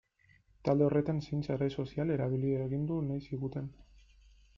Talde horretan zein sare sozial erabili agindu nahi ziguten.